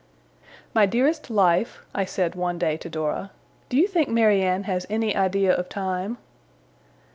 'My dearest life,' I said one day to Dora, 'do you think Mary Anne has any idea of time?